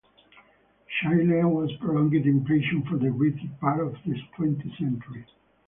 Chile had prolonged inflation for the greater part of the twentieth century.